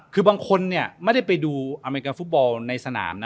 คือบางคนไม่ได้ไปดูอเมริกาฟุตบอลในสนามนะ